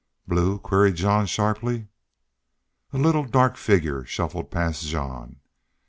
"Blue?" queried Jean, sharply. A little, dark figure shuffled past Jean.